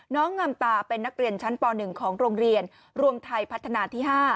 งามตาเป็นนักเรียนชั้นป๑ของโรงเรียนรวมไทยพัฒนาที่๕